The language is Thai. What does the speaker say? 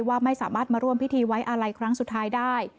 ว่าไม่สามารถมาร่วมพิธีไว้อาลัยครั้งสุดท้ายได้